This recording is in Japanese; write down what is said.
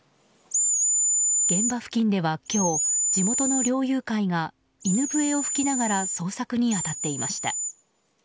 現場付近では今日地元の猟友会が犬笛を吹きながら捜索に当たっていました。